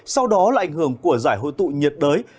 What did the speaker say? sau đó là ảnh hưởng của giải hội tụ nhiệt đới